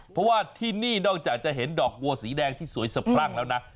เพราะว่าที่นี่นอกจากจะเห็นดอกบัวสีแดงที่สวยสะพรั่งแล้วนะ